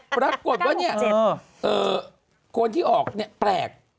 ปรากฏว่าเนี่ยคนที่ออกเนี่ยแปลก